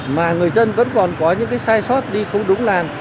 mà người dân vẫn còn có những cái sai sót đi không đúng làn